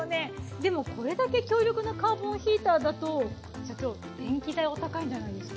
でもこれだけ強力なカーボンヒーターだと社長電気代お高いんじゃないですか？